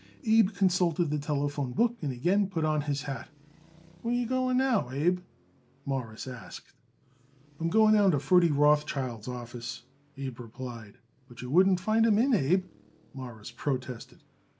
Abe consulted the telephone book and again put on his hat. "Where are you going now, Abe?" Morris asked. "I'm going down to Ferdy Rothschild's office," Abe replied. "But you wouldn't find him in, Abe," Morris protested.